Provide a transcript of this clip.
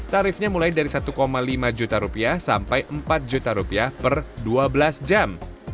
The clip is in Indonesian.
tarifnya mulai dari satu lima juta rupiah sampai empat juta rupiah per dua belas jam